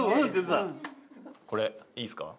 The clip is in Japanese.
これいいですか？